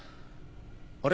あれ？